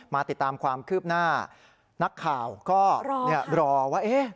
มาติดตามความคืบหน้านักข่าวก็รอว่า